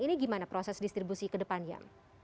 ini gimana proses distribusi ke depannya